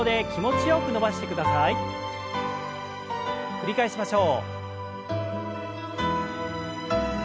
繰り返しましょう。